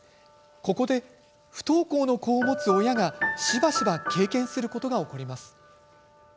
ここで、不登校の子を持つ親がしばしば経験することが起こります。